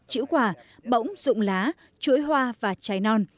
chữ quả bỗng rụng lá chuỗi hoa và trái non